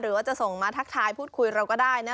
หรือว่าจะส่งมาทักทายพูดคุยเราก็ได้นะ